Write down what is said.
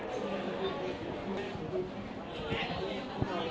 ขอบคุณนะครับ